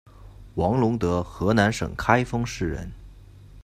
王陇德河南省开封市人。